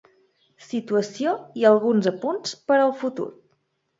Situació i alguns apunts per al futur.